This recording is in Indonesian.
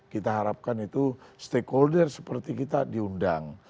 kita harapkan itu stakeholder seperti kita diundang